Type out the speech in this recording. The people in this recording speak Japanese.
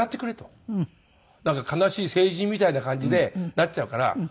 悲しい聖人みたいな感じでなっちゃうから。